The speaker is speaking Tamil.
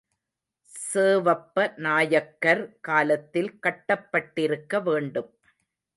சேவப்ப நாயக்கர் காலத்தில் கட்டப் பட்டிருக்க வேண்டும்.